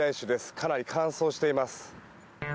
かなり乾燥しています。